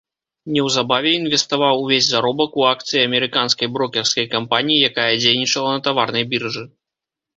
Неўзабаве інвеставаў увесь заробак у акцыі амерыканскай брокерскай кампаніі, якая дзейнічала на таварнай біржы.